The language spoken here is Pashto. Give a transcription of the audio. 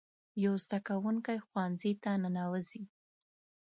یو زده کوونکی ښوونځي ته ننوځي.